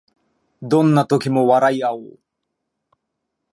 どんな時も笑いあおう